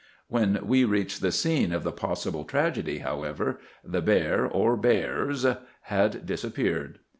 When we reached the scene of the possible tragedy, however, the bear, or bears, had disappeared.